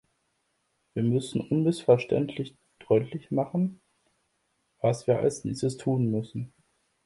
Wir müssen unmissverständlich deutlich machen, was wir als Nächstes tun müssen.